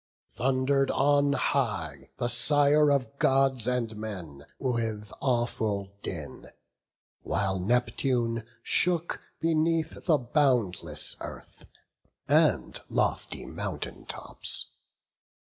Thunder'd on high the Sire of Gods and men With awful din; while Neptune shook beneath The boundless earth, and lofty mountain tops.